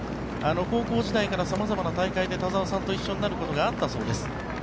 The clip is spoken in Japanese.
高校時代から様々な大会で田澤さんと一緒になることがあったそうです。